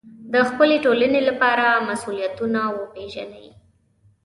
د خپلې ټولنې لپاره مسوولیتونه وپېژنئ.